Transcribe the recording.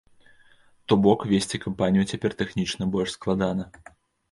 То бок весці кампанію цяпер тэхнічна больш складана.